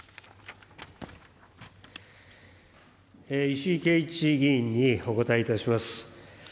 石井啓一議員にお答えいたします。